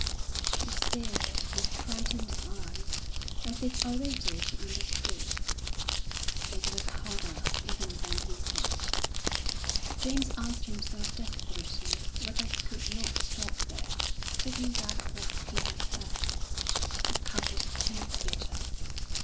She stared with frightened eyes, as if already she understood. It was harder even than he thought. James asked himself desperately whether he could not stop there, taking back what he had said. The cup was too bitter!